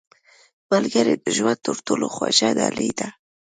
• ملګری د ژوند تر ټولو خوږه ډالۍ ده.